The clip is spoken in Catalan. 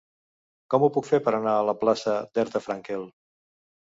Com ho puc fer per anar a la plaça d'Herta Frankel?